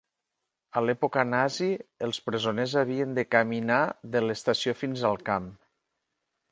A l'època nazi, els presoners havien de caminar de l'estació fins al camp.